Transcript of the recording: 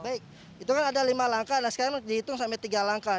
baik itu kan ada lima langkah nah sekarang dihitung sampai tiga langkah